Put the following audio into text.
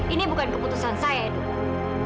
ini bukan keputusan saya dulu